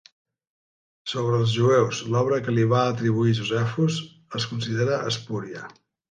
"Sobre els jueus", l'obra que li va atribuir Josephus, es considera espúria.